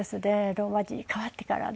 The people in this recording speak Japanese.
ローマ字に変わってからね。